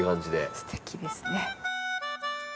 すてきですね。